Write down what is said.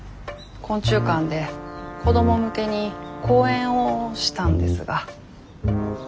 昆虫館で子ども向けに講演をしたんですが。